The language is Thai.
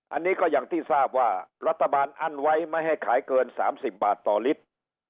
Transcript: อันนี้ก็อย่างที่ทราบว่ารัฐบาลอั้นไว้ไม่ให้ขายเกิน๓๐บาทต่อลิตร